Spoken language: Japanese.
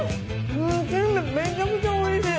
全部めちゃくちゃおいしい。